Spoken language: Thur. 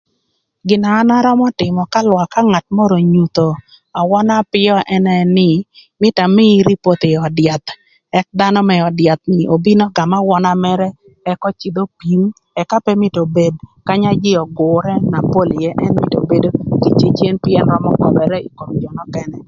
Gïn na an arömö tïmö ka lwak ka ngat mörö onyutho awöna apïö ënë nï, myero amïï ripot ï ödh yath, ëk dhanö më öd yath obin ögam awöna mërë ëk öcïdh opim, ëka pë mïtö obed kanya jïi ögürë na pol ïë, ëntö mïtö obedo kïcecen pïën römö köbërë ï kom jö nökënë.